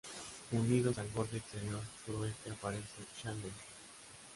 Unidos al borde exterior sur-suroeste aparece "Chandler P".